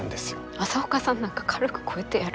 朝岡さんなんか軽く超えてやる。